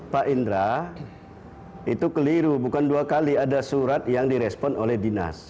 pak indra itu keliru bukan dua kali ada surat yang direspon oleh dinas